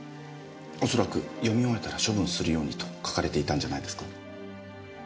恐らく読み終えたら処分するようにと書かれていたんじゃないですか？